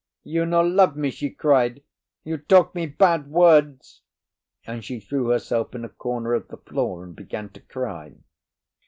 "You no love me," she cried, "you talk me bad words!" And she threw herself in a corner of the floor, and began to cry.